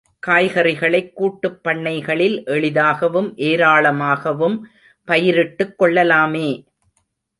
காய்கறிகளைக் கூட்டுப் பண்ணைகளில் எளிதாகவும் ஏராளமாகவும் பயிரிட்டுக் கொள்ளலாமே.